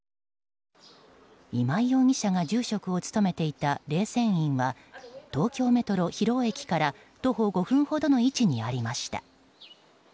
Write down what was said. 今井容疑者が住職を務めていた霊泉院は東京メトロ広尾駅から徒歩５分ほどの位置にありました。